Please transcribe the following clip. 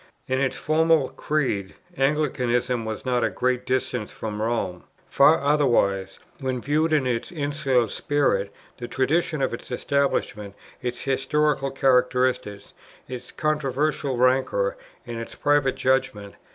In its formal creed Anglicanism was not at a great distance from Rome: far otherwise, when viewed in its insular spirit, the traditions of its establishment, its historical characteristics, its controversial rancour, and its private judgment.